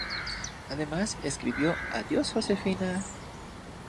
Además escribió "¡Adiós, Josefina!